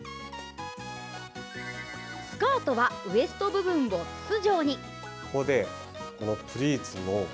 スカートはウエスト部分を筒状に。